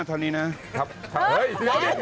โอเคอย่าคุย